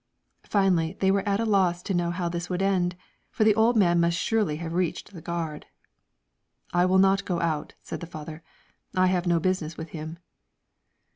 Finally they were at a loss to know how this would end, for the old man must surely have reached the gard. "I will not go out," said the father; "I have no business with him."